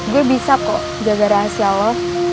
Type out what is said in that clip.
gue bisa kok jaga rahasia lo